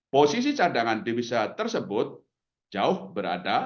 posisi cadangan devisa tersebut jauh berada